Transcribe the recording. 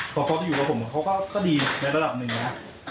พอเขาไปอยู่กับผมเขาก็ดีในระดับหนึ่งนะ